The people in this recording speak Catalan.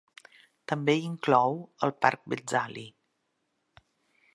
També inclou el parc Betzali.